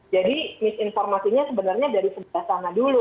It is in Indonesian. jadi misinformasinya sebenarnya dari sebelah sana dulu